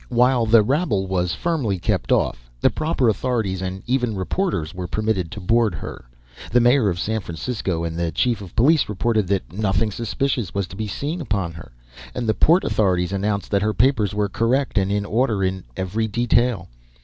While the rabble was firmly kept off, the proper authorities and even reporters were permitted to board her. The mayor of San Francisco and the chief of police reported that nothing suspicious was to be seen upon her, and the port authorities announced that her papers were correct and in order in every detail.